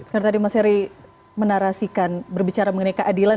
karena tadi mas yary menarasikan berbicara mengenai keadilan